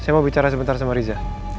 saya mau bicara sebentar sama riza